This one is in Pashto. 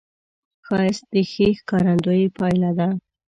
ښایست د ښې ښکارندې پایله ده